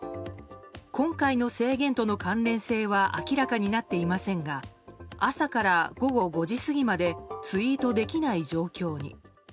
今回の制限との関連性は明らかになっていませんが朝から午後５時過ぎまでツイートできない状況に。